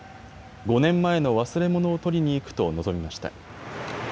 ５年前の忘れ物を取りに行くと臨みました。